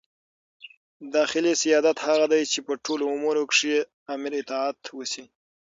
داخلي سیادت هغه دئ، چي په ټولو امورو کښي د امیر اطاعت وسي.